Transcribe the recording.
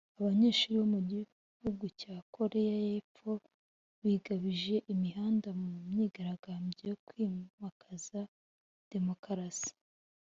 Abanyeshuri mu gihugu cya Koreya y’epfo bigabije imihanda mu myigaragambyo yo kwimakaza Demokarasi